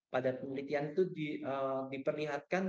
pada penelitian itu diperlihatkan